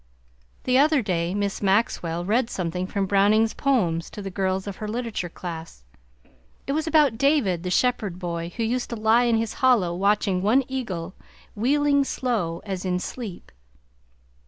The other day Miss Maxwell read something from Browning's poems to the girls of her literature class. It was about David the shepherd boy who used to lie in his hollow watching one eagle "wheeling slow as in sleep."